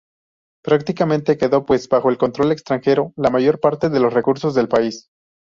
Prácticamente quedó pues, bajo control extranjero, la mayor parte de los recursos del país.